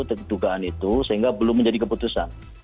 terdugaan itu sehingga belum menjadi keputusan